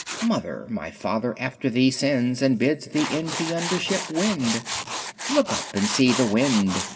Mother, my father after thee sends. And byddes thee into yeinder shippe wende. Loke up and see the wynde.